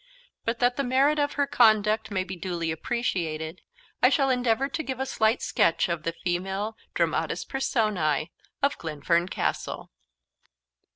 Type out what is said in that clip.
But, that the merit of her conduct may be duly appreciated, I shall endeavour to give a slight sketch of the female dramatis personae of Glenfern Castle.